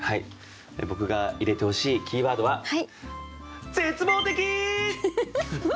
僕が入れてほしいキーワードは「絶望的」！です。